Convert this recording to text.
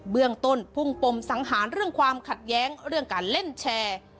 เรื่องต้นพุ่งปมสังหารเรื่องความขัดแย้งเรื่องการเล่นแชร์